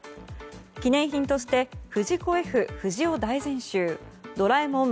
記念品として「藤子・Ｆ・不二雄大全集」「ドラえもん」